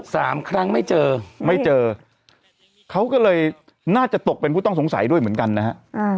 สามครั้งไม่เจอไม่เจอเขาก็เลยน่าจะตกเป็นผู้ต้องสงสัยด้วยเหมือนกันนะฮะ